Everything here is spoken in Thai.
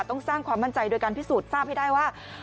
ต้องสร้างความมั่นใจโดยการพิสูจน์ทราบให้ได้ว่า